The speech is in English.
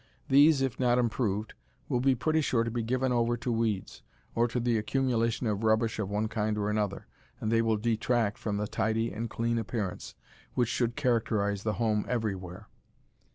These, if not improved, will be pretty sure to be given over to weeds, or to the accumulation of rubbish of one kind or another, and they will detract from the tidy and clean appearance which should characterize the home everywhere.